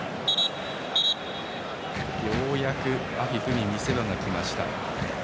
ようやくアフィフに見せ場がきました。